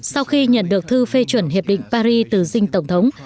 sau khi nhận được thư phê chuẩn hiệp định paris từ dinh tổng thống